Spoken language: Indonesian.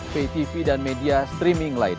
gak pernah keluar lah